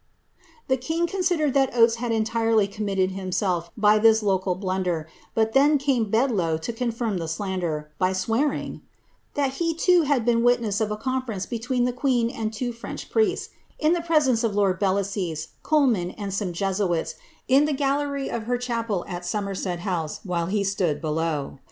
Tiic king considered that Oates had entirely committed himself by thii local blunder ; but then came Bedloe to confirm the slander, by swear ing ^' that he too had been witness of a conference between the qaeeu and two French priests, in the presence of lord Belasyse, Coleman, and some Jesuits, in the gallery of her chapel at Somerset House, whfle he stood below.